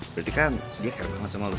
berarti kan dia kere banget sama lo